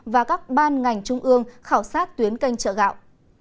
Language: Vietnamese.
và các ban ngành trung ương khảo sát tuyến canh chợ gạo